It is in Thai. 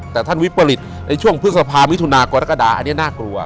แต่ท่านวิปริตในช่วงพฤษภามิถุนากรกฎาอันนี้น่ากลัว